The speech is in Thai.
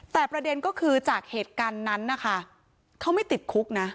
แต่ประเด็นก็คือจากเหตุการณ์นั้นนะคะเขาไม่ติดคุกนะ